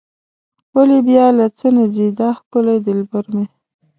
ولې بیا له څه نه ځي دا ښکلی دلبر مې.